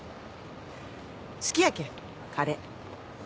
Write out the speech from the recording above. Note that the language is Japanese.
好きやけんカレー。